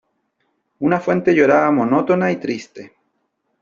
una fuente lloraba monótona y triste .